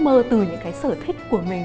những cái ước mơ từ những cái sở thích của mình